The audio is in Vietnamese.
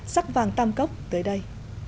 sắc vàng tam cốc tới đây